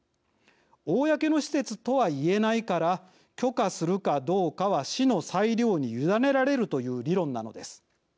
公の施設とは言えないから許可するかどうかは市の裁量に委ねられるという理論なのです。